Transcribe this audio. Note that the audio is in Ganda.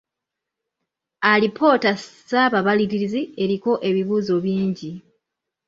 Alipoota ssaababalirizi eriko ebibuuzo bingi.